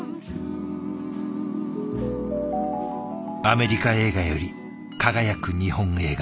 アメリカ映画より輝く日本映画を。